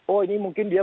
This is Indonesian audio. oh ini mungkin dia